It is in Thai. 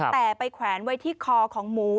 แต่ไปแขวนไว้ที่คอของหมู